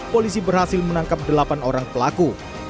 polisi berhasil menangkap delapan orang pelaku